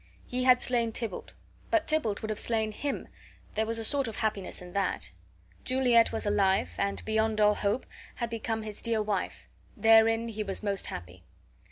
He had slain Tybalt, but Tybalt would have slain him there was a sort of happiness in that. Juliet was alive and (beyond all hope) had become his dear wife; therein he was most happy.